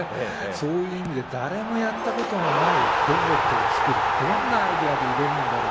そういう意味で誰もやったことのないロボットを作るどんなアイデアで挑むんだろう